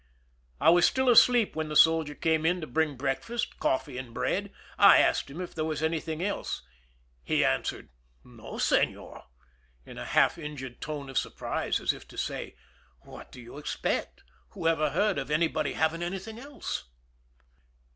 I was still asleep when the soldier came in to bring breakfast— coffee and bread. I asked him if there was anything else. He answered, "No, senor," in a half injured tone of surprise, as if to say, "What do you expect? Who ever heard of anybody having anything else